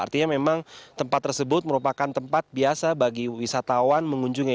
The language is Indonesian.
artinya memang tempat tersebut merupakan tempat biasa bagi wisatawan mengunjungi